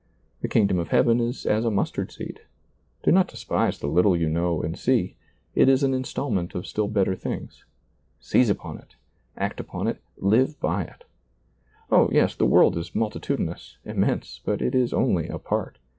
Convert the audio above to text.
The kingdom of heaven is as a mustard seed. Do not despise the little you know and see; it is an installment of still better things; seize upon it, act upon it, live by it Oh, yes, the world is multitu dinous, immense, but it is only a part.